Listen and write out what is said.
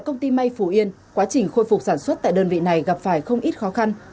công ty may phú yên quá trình khôi phục sản xuất tại đơn vị này gặp phải không ít khó khăn